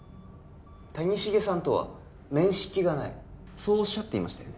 谷繁さんとは面識がないそうおっしゃっていましたよね